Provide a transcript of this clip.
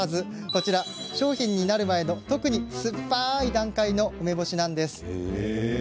こちらは、商品になる前の特に酸っぱい段階の梅干し。